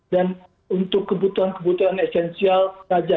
dan untuk kebutuhan kebutuhan esensial saja